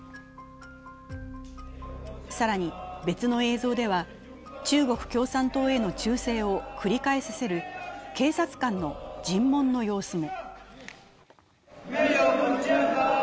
更に別の映像では、中国共産党への忠誠を繰り返させる警察官の尋問の様子も。